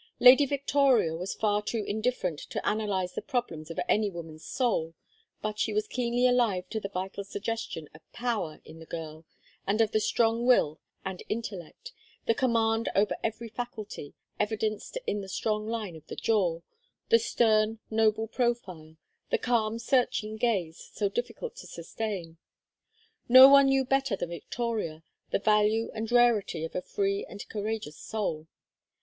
Lady Victoria was far too indifferent to analyze the problems of any woman's soul, but she was keenly alive to the vital suggestion of power in the girl, and of the strong will and intellect, the command over every faculty, evidenced in the strong line of the jaw, the stern noble profile, the calm searching gaze so difficult to sustain. None knew better than Victoria the value and rarity of a free and courageous soul.